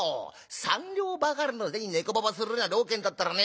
三両ばかりの銭ネコババするような了見だったらね